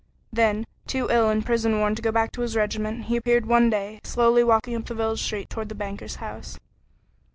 Then, too ill and prison worn to go back to his regiment, he appeared one day, slowly walking up the village street toward the banker's house.